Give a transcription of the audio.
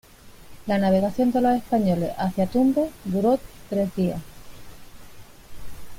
La navegación de los españoles hacia Tumbes duró tres días.